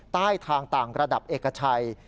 ใต้ทางต่างระดับเอกชัย